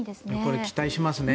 これ、期待しますね。